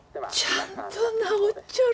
ちゃんと直っちょる。